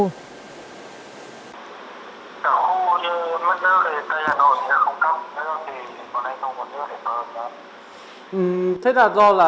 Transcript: cả khu mất nước thì tây hà nội không cấp thế nên không có nước để bơm